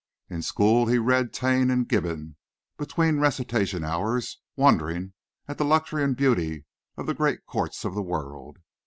In school he read Taine and Gibbon between recitation hours, wondering at the luxury and beauty of the great courts of the world.